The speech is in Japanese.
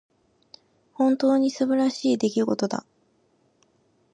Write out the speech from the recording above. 本当に素晴らしい出来事だ。